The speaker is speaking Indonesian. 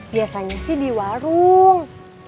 biasanya sih di warung